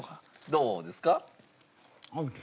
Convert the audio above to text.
どうですか？